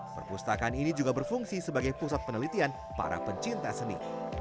perpustakaan ini juga berfungsi sebagai pusat penelitian para pencinta seni